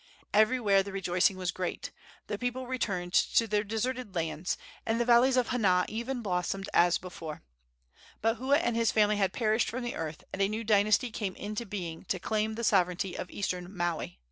Everywhere the rejoicing was great. The people returned to their deserted lands, and the valleys of Hana, even, blossomed as before. But Hua and his family had perished from the earth, and a new dynasty came into being to claim the sovereignty of eastern Maui.